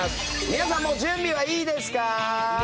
皆さん、準備はいいですか？